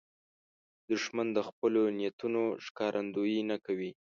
دښمن د خپلو نیتونو ښکارندویي نه کوي